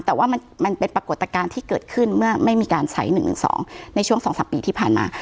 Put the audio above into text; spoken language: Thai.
แต่ว่ามันเป็นปรากฏการณ์ที่เกิดขึ้นเมื่อไม่มีการใช้๑๑๒ในช่วง๒๓ปีที่ผ่านมา